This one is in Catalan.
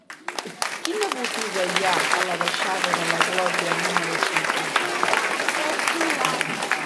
Quina botiga hi ha a la baixada de la Glòria número cinquanta-set?